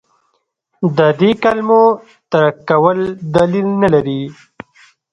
د دې کلمو ترک کول دلیل نه لري.